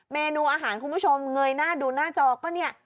เมนูอาหารคุณผู้ชมเงยหน้าดูหน้าจอก็เนี่ย